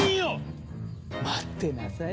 待ってなさい